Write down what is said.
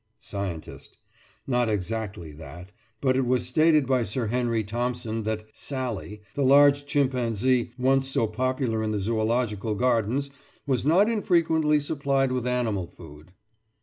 SCIENTIST: Not exactly that; but it was stated by Sir Henry Thompson that "Sally," the large chimpanzee once so popular in the Zoological Gardens, was not infrequently supplied with animal food.